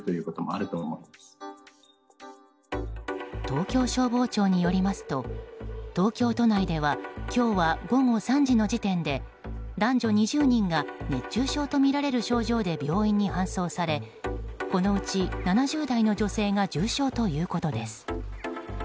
東京消防庁によりますと東京都内では今日は午後３時の時点で男女２０人が熱中症とみられる症状で病院に搬送されこのうち７０代の女性が重症ということです。